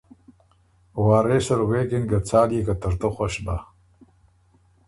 وارث ال غوېکِن که څال يې که ترتُو خوش بَۀ۔